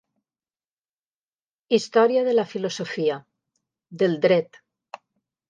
Història de la filosofia, del dret.